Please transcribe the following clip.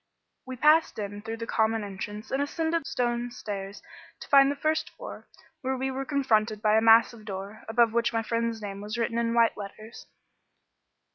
We passed in through the common entrance and ascended the stone stairs to the first floor, where we were confronted by a massive door, above which my friend's name was written in white letters.